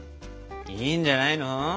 いいんじゃないの？